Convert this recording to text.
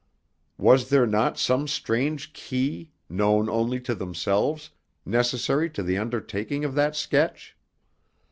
Was there not some strange key, known only to themselves, necessary to the understanding of that sketch?